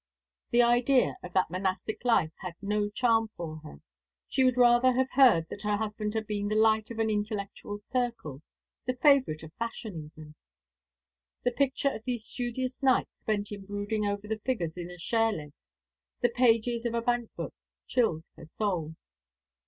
The idea of that monastic life had no charm for her. She would rather have heard that her husband had been the light of an intellectual circle the favourite of fashion even. The picture of these studious nights spent in brooding over the figures in a share list, the pages of a bank book, chilled her soul.